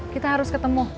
kita harus ketemu